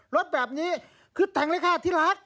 รถแบบนี้คือแต่งเลยค่ะที่รัก